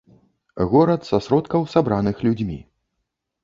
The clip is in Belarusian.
Горад са сродкаў, сабраных людзьмі.